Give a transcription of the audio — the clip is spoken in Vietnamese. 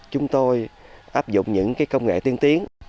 chúng tôi áp dụng những công nghệ tiên tiến